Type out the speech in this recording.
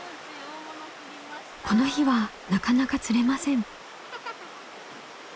この日はなかなか釣れません。